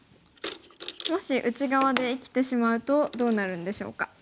もし内側で生きてしまうとどうなるんでしょうか？